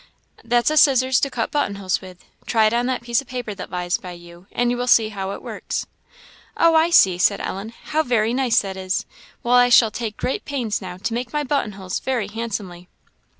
"That's a scissors to cut button holes with. Try it on that piece of paper that lies by you, and you will see how it works." "Oh, I see!" said Ellen, "how very nice that is! Well, I shall take great pains now to make my button holes very handsomely."